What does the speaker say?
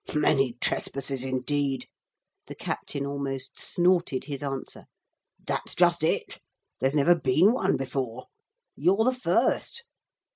'Many trespassers indeed!' the captain almost snorted his answer. 'That's just it. There's never been one before. You're the first.